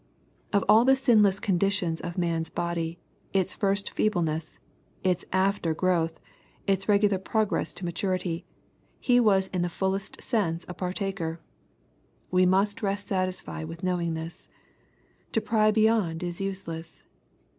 Of all the sinless conditions of man's body, its first feebleness, its after growth, its regular progress to maturity, He was in the fullest sense a partaker. We must rest satisfied with knowing this. To pry beyond is useless.